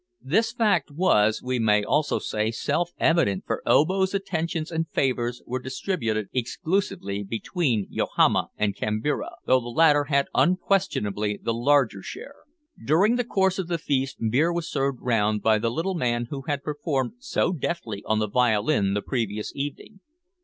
This fact was, we may almost say, self evident for Obo's attentions and favours were distributed exclusively between Yohama and Kambira, though the latter had unquestionably the larger share. During the course of the feast, beer was served round by the little man who had performed so deftly on the violin the previous evening.